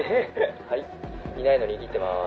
「はいいないのにイキってます」